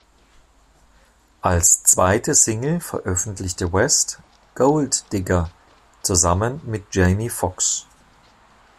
Als zweite Single veröffentlichte West "Gold Digger", zusammen mit Jamie Foxx.